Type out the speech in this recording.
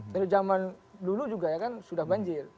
dari zaman dulu juga ya kan sudah banjir